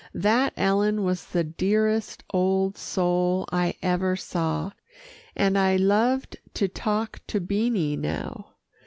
That Ellen was the dearest old soul I ever saw, and I loved to talk to Beanie now.